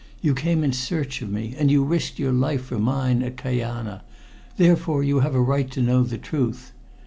You came in search of me, and you risked your life for mine at Kajana, therefore you have a right to know the truth.